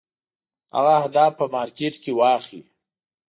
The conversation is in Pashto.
هغه اهداف په مارکېټ کې واخلي.